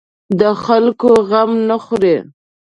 د خلکو غم نه خوري.